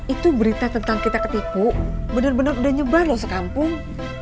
itu berita tentang kita ketipu benar benar udah nyebar loh sekampung